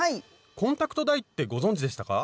「コンタクトダイ」ってご存じでしたか？